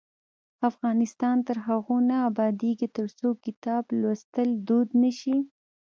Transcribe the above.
افغانستان تر هغو نه ابادیږي، ترڅو کتاب لوستل دود نشي.